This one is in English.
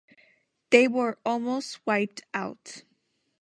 They were almost wiped out.